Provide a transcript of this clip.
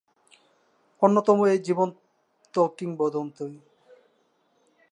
অন্যতম এই জীবন্ত কিংবদন্তি।